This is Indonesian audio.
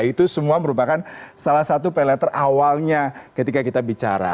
itu semua merupakan salah satu pay later awalnya ketika kita bicara